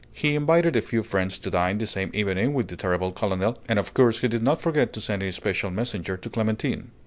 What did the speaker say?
He invited a few friends to dine the same evening with the terrible colonel, and of course he did not forget to send a special messenger to Clémentine.